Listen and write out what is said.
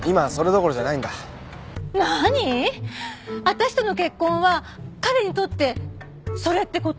私との結婚は彼にとってそれって事？